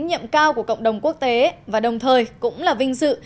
nhiệm cao của cộng đồng quốc tế và đồng thời cũng là vinh dự